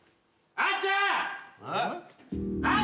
あっちゃん！